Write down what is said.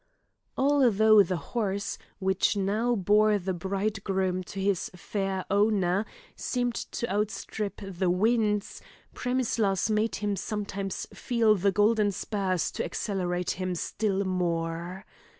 Although the horse, which now bore the bridegroom to his fair owner, seemed to outstrip the winds, Premislas made him sometimes feel the golden spurs to accelerate him still more.